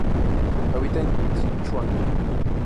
Habita en Sichuan.